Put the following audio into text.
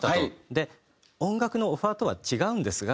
で音楽のオファーとは違うんですが。